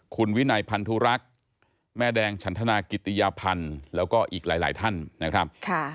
คุณวินัยพันธุรักษ์แม่แดงฉันธนากิติยพันธ์แล้วก็อีกหลายท่านนะครับ